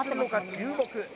注目